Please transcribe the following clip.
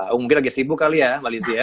mungkin lagi sibuk kali ya mbak lizzy ya